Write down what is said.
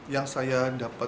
yang saya dapat evaluasikan